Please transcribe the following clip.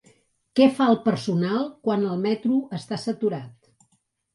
Què fa el personal quan el metro està saturat?